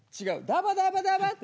ダバダバダバって。